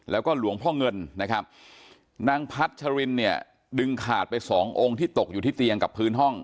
แล้วก็หลวงพ่อเงินนะครับนางพัชรินเนี่ยดึงขาดไปสององค์ที่ตกอยู่ที่เตียงกับพื้นห้อง